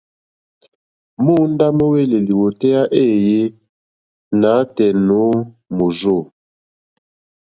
Móǒndá mówélì lìwòtéyá éèyé nǎtɛ̀ɛ̀ nǒ mòrzô.